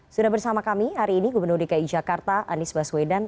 sudah bersama kami hari ini gubernur dki jakarta anies baswedan